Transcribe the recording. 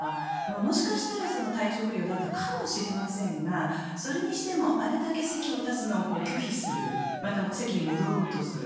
もしかしたら体調不良だったかもしれませんがそれにしてもあれだけ席を立つのを拒否するまた、席に戻ろうとする。